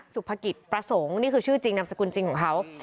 สุภกิจประสงค์นี่คือชื่อจริงนามสกุลจริงของเขา